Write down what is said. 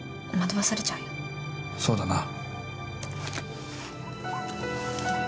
そうだな。